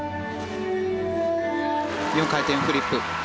４回転フリップ。